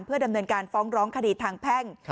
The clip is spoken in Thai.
ดำเนินการฟ้องร้องคดีทางแพ่ง